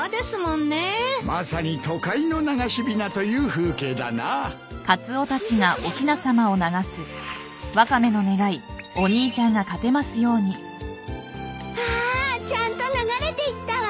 まさに都会の流しびなという風景だな。わちゃんと流れていったわ。